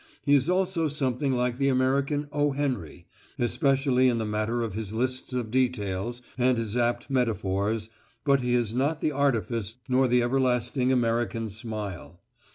He is also something like the American O. Henry, especially in the matter of his lists of details and his apt metaphors, but he has not the artifice nor the everlasting American smile.